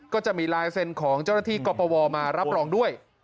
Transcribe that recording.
ก็จะมีลายเซ็นต์ของเจ้าหน้าที่กรปวมารับรองด้วย